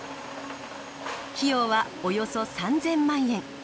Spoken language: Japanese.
費用はおよそ３０００万円。